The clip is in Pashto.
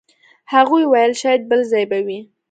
هغوی ویل شاید بل ځای به وئ.